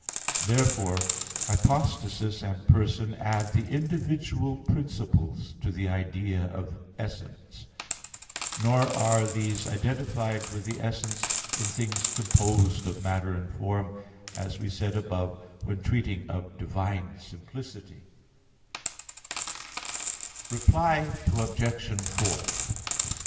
Therefore hypostasis and person add the individual principles to the idea of essence; nor are these identified with the essence in things composed of matter and form, as we said above when treating of divine simplicity (Q. 3, A. 3). Reply Obj.